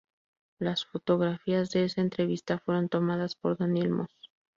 Las fotografías de esa entrevista fueron tomadas por Daniel Moss.